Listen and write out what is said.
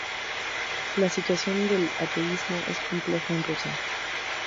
La situación del ateísmo es compleja en Rusia.